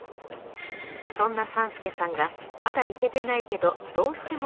そんな３助さんがまだ行けてないけどうわ。